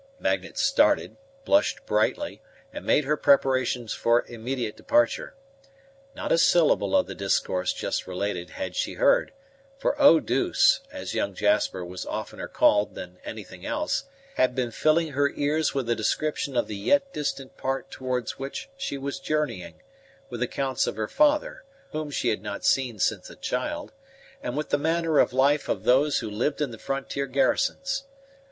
Magnet started, blushed brightly, and made her preparations for immediate departure. Not a syllable of the discourse just related had she heard; for Eau douce, as young Jasper was oftener called than anything else, had been filling her ears with a description of the yet distant part towards which she was journeying, with accounts of her father, whom she had not seen since a child, and with the manner of life of those who lived in the frontier garrisons.